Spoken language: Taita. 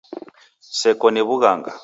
Seko ni sa w'ughanga.